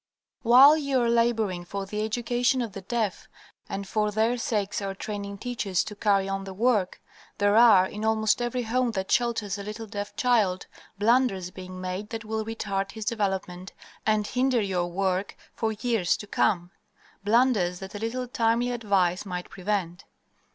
"While you are laboring for the education of the deaf, and for their sakes are training teachers to carry on the work, there are, in almost every home that shelters a little deaf child, blunders being made that will retard his development and hinder your work for years to come blunders that a little timely advice might prevent.